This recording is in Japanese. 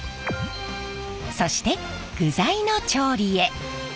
そして具材の調理へ。